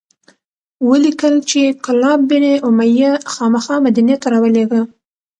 ولیکل چې کلاب بن امیة خامخا مدینې ته راولیږه.